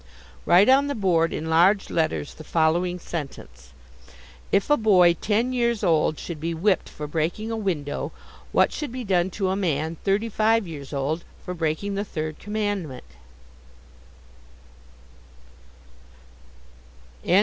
Write on the board, in large letters, the following sentence: If a boy ten years old should be whipped for breaking a window, what should be done to a man thirty five years old for breaking the third commandment?